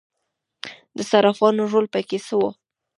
د صرافانو رول پکې څه و؟